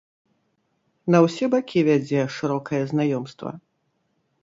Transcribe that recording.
На ўсе бакі вядзе шырокае знаёмства.